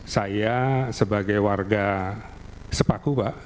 saya sebagai warga sepaku pak